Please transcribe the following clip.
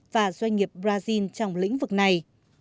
và doanh nghiệp brazil trong lĩnh vực này